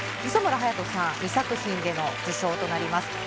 磯村勇斗さん、２作品での受賞となります。